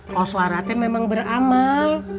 kos waratnya memang beramal